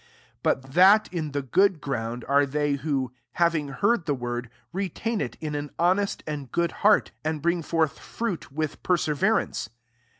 15 But that, in the good ground, are they, who, baviag heard the word, retain it in an honest and good heart, and bring forth fruit with per severance.